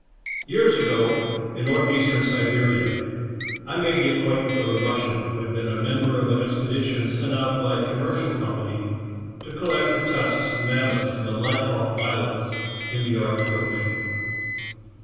Years ago, in northeastern Siberia, I made the acquaintance of a Russian who had been a mem ber of an expedition sent out by a commercial company to collect the tusks of mammoths from the Liakhov Islands, in the Arctic ocean.